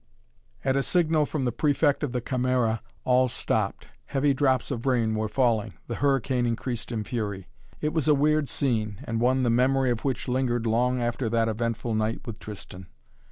At a signal from the Prefect of the Camera all stopped. Heavy drops of rain were falling. The hurricane increased in fury. It was a weird scene and one the memory of which lingered long after that eventful night with Tristan.